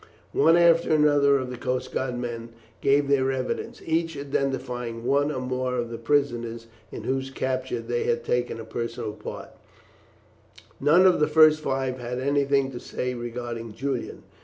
One after another of the coast guard men gave their evidence, each identifying one or more of the prisoners in whose capture they had taken a personal part. None of the first five had anything to say regarding Julian.